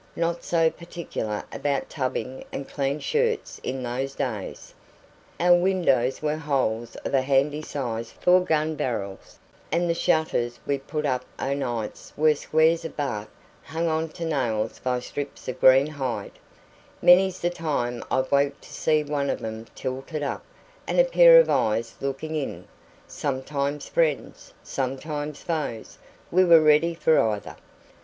Not so particular about tubbing and clean shirts in those days. Our windows were holes of a handy size for gun barrels, and the shutters we put up o' nights were squares of bark hung on to nails by strips of green hide. Many's the time I've woke to see one of 'em tilted up, and a pair of eyes looking in sometimes friends, sometimes foes; we were ready for either.